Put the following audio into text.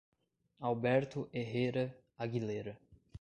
Alberto Herrera Aguilera